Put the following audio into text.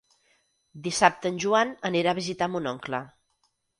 Dissabte en Joan anirà a visitar mon oncle.